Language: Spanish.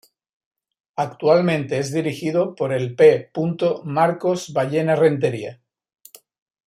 Actualmente es dirigido por el P. Marcos Ballena Rentería.